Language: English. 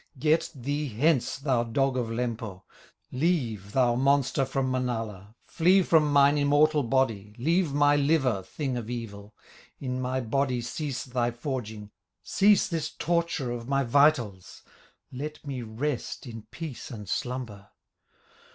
Get thee hence, thou dog of Lempo, Leave, thou monster from Manala, Flee from mine immortal body, Leave my liver, thing of evil, In my body cease thy forging, Cease this torture of my vitals, Let me rest in peace and slumber.